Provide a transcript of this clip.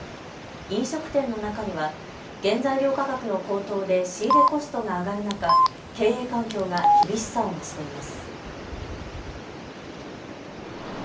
飲食店の中には原材料価格の高騰で仕入れコストが上がる中、経営環境が厳しさを増しています。